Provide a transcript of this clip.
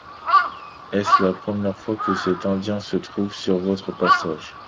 Est-ce la première fois que cet Indien se trouve sur votre passage?